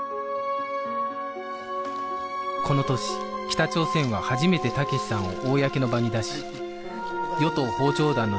この年北朝鮮は初めて武志さんを公の場に出し与党訪朝団の団長